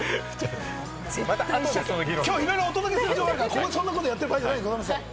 きょうは、いろいろお届けする情報があるので、ここでそんなことやってる場合じゃない！